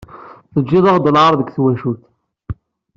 Teǧǧiḍ-aɣ-d lɛar deg twacult.